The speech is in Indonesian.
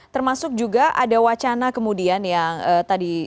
termasuk juga ada wacana kemudian yang tadi